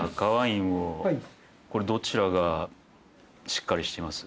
これどちらがしっかりしています？